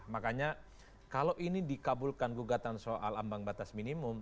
makanya kalau ini dikabulkan gugatan soal ambang batas minimum